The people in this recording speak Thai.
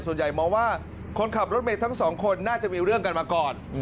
ส่วนใหญ่มองว่าคนขับรถเมย์ทั้งสองคนน่าจะมีเรื่องกันมาก่อน